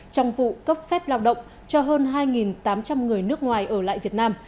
trong vụ cấp phép lao động cho hơn hai tám trăm linh người nước ngoài ở lại việt nam